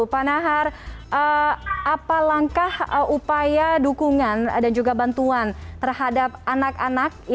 pak nahar apa langkah upaya dukungan dan juga bantuan terhadap anak anak